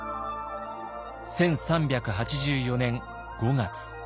１３８４年５月。